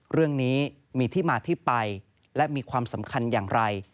เรื่องนี้มีที่มาที่ไปและมีความสำคัญอย่างไร